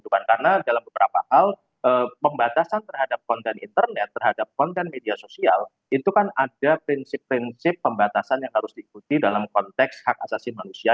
karena dalam beberapa hal pembatasan terhadap konten internet terhadap konten media sosial itu kan ada prinsip prinsip pembatasan yang harus diikuti dalam konteks hak asasi manusia